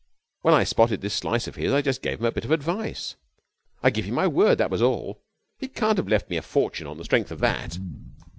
And when I spotted this slice of his I just gave him a bit of advice. I give you my word that was all. He can't have left me a fortune on the strength of that!'